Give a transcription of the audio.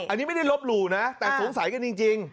อันนี้ไม่ได้ลบหลู่นะแต่สงสัยกันจริง